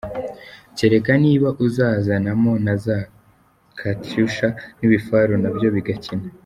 Kereka niba uzazanamo za catiusha nibifaro nabyo bigakina.